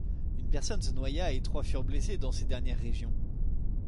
Une personne se noya et trois furent blessées dans ces dernières régions.